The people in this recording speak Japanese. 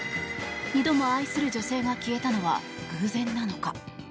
２度も愛する女性が消えたのは偶然なのか。